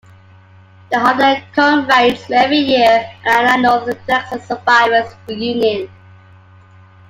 They honor their comrades every year at the annual Drexler Survivors reunion.